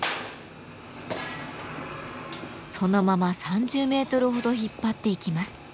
そのまま３０メートルほど引っ張っていきます。